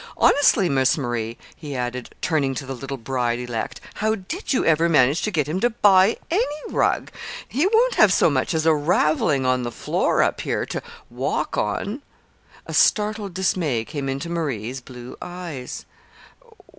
"Honestly, Miss Marie," he added, turning to the little bride elect, "how did you ever manage to get him to buy any rug? He won't have so much as a ravelling on the floor up here to walk on." A startled dismay came into Marie's blue eyes.